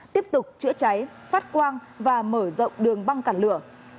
tiếp tục chữa cháy phát quang và mở rộng đường băng cản lửa